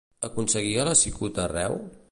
Aconseguia la cicuta arreu?